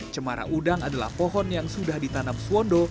cemara udang adalah pohon yang sudah ditanam suwondo